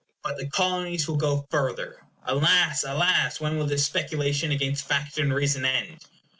But the Colonies will go further. Alas! alas! when will this speculation against fact and reason end?